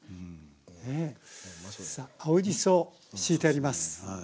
青じそ敷いてあります。